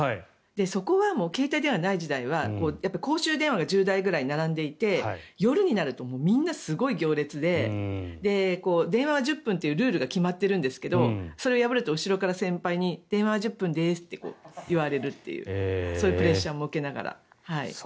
そこは携帯電話がない時代は公衆電話が１０台ぐらい並んでいて夜になると、みんなすごい行列で電話は１０分というルールが決まっているんですけどそれを破ると、後ろから先輩に電話は１０分ですって言われるっていうそういうプレッシャーも受けながら。